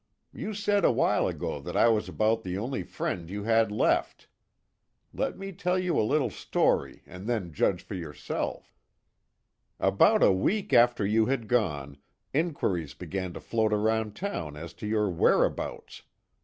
You said a while ago that I was about the only friend you had left. Let me tell you a little story, and then judge for yourself. "About a week after you had gone, inquiries began to float around town as to your whereabouts.